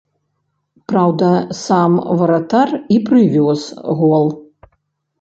Праўда, сам варатар і прывёз гол.